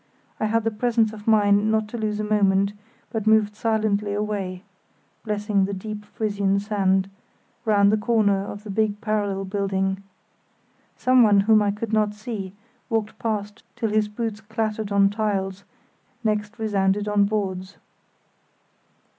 I had the presence of mind not to lose a moment, but moved silently away (blessing the deep Frisian sand) round the corner of the big parallel building. Someone whom I could not see walked past till his boots clattered on tiles, next resounded on boards.